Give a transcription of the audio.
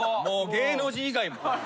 芸能人以外も。